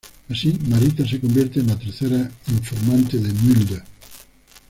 Así, Marita se convierte en la tercera informante de Mulder.